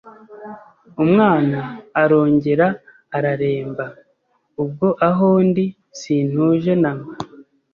umwana arongera araremba, ubwo aho ndi sintuje na mba